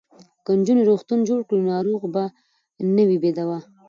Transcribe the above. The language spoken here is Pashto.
که نجونې روغتون جوړ کړي نو ناروغ به نه وي بې دواه.